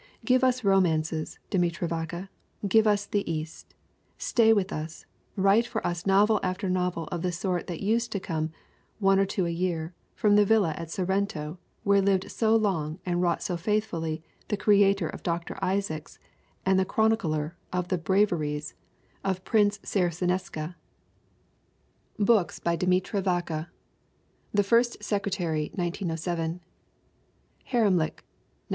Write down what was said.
Give us romances, Demetra Vaka, give us the East; stay with us, write for us novel after novel of the sort that used to come, one or two a year, from that villa at Sorrento where lived so long and wrought so faithfully the creator of Dr. Isaacs and the chronicler of the braveries of Prince Saracinesca! DEMETRA VAKA 291 BOOKS BY DEMETRA VAKA The First Secretary, 1907. Haremlik, 1909.